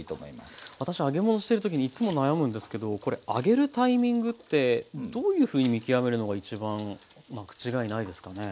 私揚げ物してる時にいつも悩むんですけどこれあげるタイミングってどういうふうに見極めるのが一番間違いないですかね？